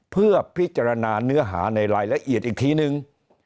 เพื่อพิจารณาเนื้อหาในรายละเอียดอีกทีนึง